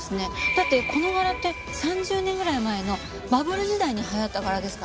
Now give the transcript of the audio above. だってこの柄って３０年ぐらい前のバブル時代に流行った柄ですから。